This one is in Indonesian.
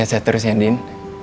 sehat sehat terus ya din